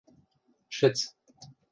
Шӹц.